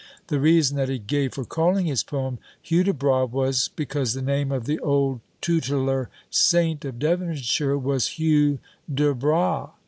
The reason that he gave for calling his poem Hudibras was, because the name of the old tutelar saint of Devonshire was Hugh de Bras."